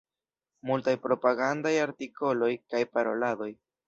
Multaj propagandaj artikoloj kaj paroladoj.